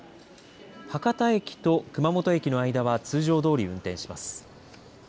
博多駅と熊本駅の間は通常どおり運転します。